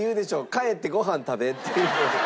「帰ってご飯食べ」って。